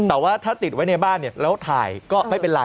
แต่ว่าถ้าติดไว้ในบ้านเนี่ยแล้วถ่ายก็ไม่เป็นไร